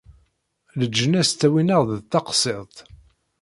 Leǧnas ttawin-aɣ-d d taqṣiḍt.